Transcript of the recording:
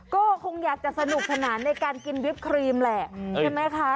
ก็คงอยากจะสนุกสนานในการกินวิปครีมแหละใช่ไหมคะ